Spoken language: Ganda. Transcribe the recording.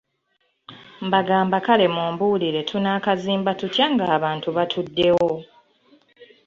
Mbagamba kale mumbuulire tunaakazimba tutya ng'abantu batuddewo?